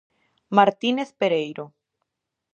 Martínez Pereiro.